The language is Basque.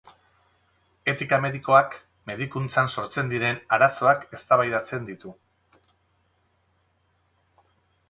Etika medikoak medikuntzan sortzen diren arazoak eztabaidatzen ditu.